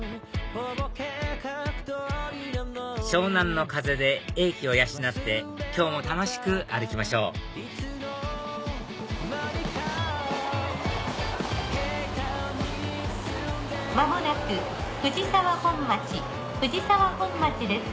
湘南の風で英気を養って今日も楽しく歩きましょう間もなく藤沢本町藤沢本町です。